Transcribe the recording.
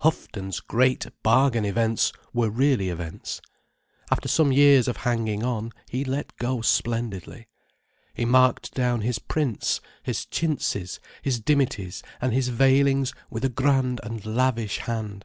Houghton's Great Bargain Events were really events. After some years of hanging on, he let go splendidly. He marked down his prints, his chintzes, his dimities and his veilings with a grand and lavish hand.